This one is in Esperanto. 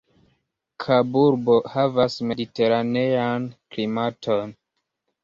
Kaburbo havas mediteranean klimaton.